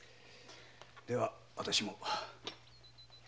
では私も。